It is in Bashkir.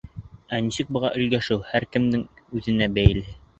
Ә нисек быға өлгәшеү һәр кемдең үҙенә бәйле.